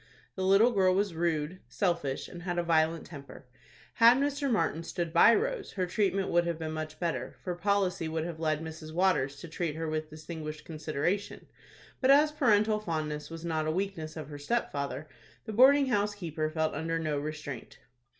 The little girl was rude, selfish, and had a violent temper. Had Mr. Martin stood by Rose, her treatment would have been much better, for policy would have led Mrs. Waters to treat her with distinguished consideration; but as parental fondness was not a weakness of her stepfather, the boarding house keeper felt under no restraint.